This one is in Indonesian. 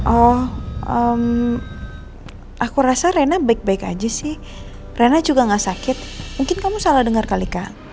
oh aku rasa rena baik baik aja sih rena juga gak sakit mungkin kamu salah dengar kali kan